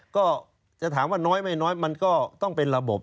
ก็จะถามว่าน้อยไม่น้อยมันก็ต้องเป็นระบบ